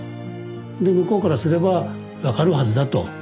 で向こうからすれば分かるはずだと。